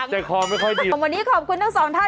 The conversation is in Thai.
ฉันดีเพียงพี่จรสรมาดีคุณเองเล่นเองได้